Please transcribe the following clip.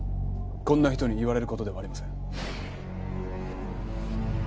こんな人に言われる事ではありません。